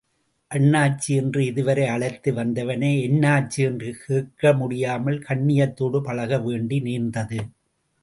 அண்ணாச்சி என்று இதுவரை அழைத்து வந்தவனை என்னாச்சு என்று கேட்க முடியாமல் கண்ணியத்தோடு பழக வேண்டி நேர்ந்தது.